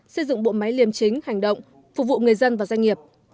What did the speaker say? xây dựng bộ máy liềm chính hành động phục vụ người dân và doanh nghiệp